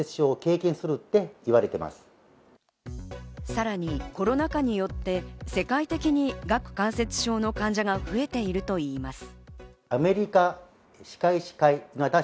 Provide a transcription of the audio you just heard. さらにコロナ禍によって世界的に顎関節症の患者が増えているといいます。